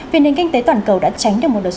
vì nền kinh tế toàn cầu đã tránh được một đợt